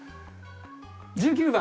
１９番。